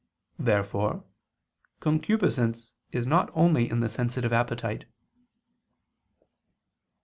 Therefore concupiscence is not only in the sensitive appetite.